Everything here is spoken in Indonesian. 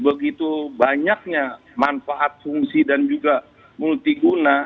begitu banyaknya manfaat fungsi dan juga multiguna